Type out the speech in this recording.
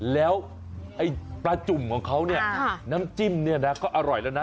แล้วปลาจุ่มของเขาน้ำจิ้มก็อร่อยแล้วนะ